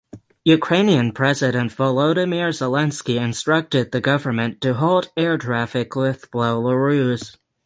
Ukrainian president Volodymyr Zelensky instructed the government to halt air traffic with Belarus.